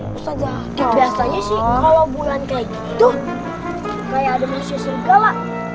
biasanya sih kalau bulan kayak gitu kayak ada manusia serigala